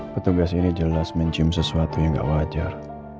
petugas ini jelas mencium sesuatu yang tidak wajar